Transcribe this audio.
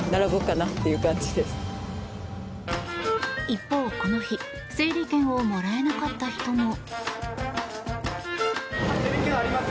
一方、この日整理券をもらえなかった人も。